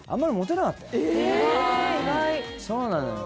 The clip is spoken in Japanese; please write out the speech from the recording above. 意外そうなのよ